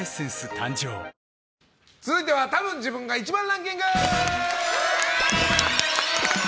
誕生続いてはたぶん自分が１番ランキング！